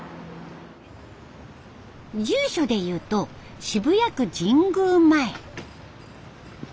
住所でいうと渋谷区神宮前。